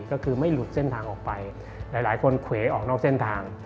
ก็คือไม่หลุดเส้นทางออกไปหลายคนเขวออกนอกเส้นทาง